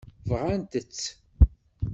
Bɣant-tt?